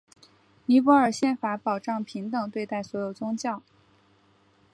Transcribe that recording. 尼泊尔宪法保障平等对待所有宗教。